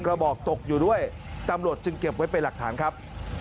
กระบอกตกอยู่ด้วยตำรวจจึงเก็บไว้เป็นหลักฐานครับ